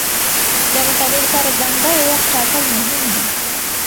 د مطالعې لپاره ځانګړی وخت ټاکل مهم دي.